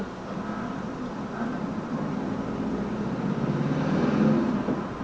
อ๊ออ๋อนี่นี่นี่นี่นี่